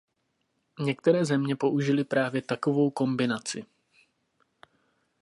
Některé země použily právě takovou kombinaci.